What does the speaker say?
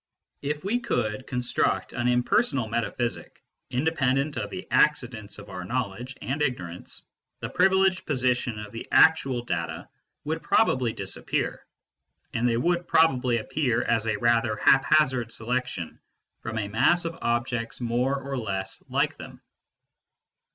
If we could construct an impersonal metaphysic, independent of the accidents of our knowledge and ignorance, the privileged position of the actual data would probably disappear, and they would probably appear as a rather haphazard selection from a mass of objects more or less like them.